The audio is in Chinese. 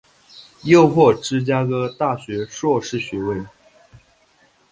又获芝加哥大学硕士学位。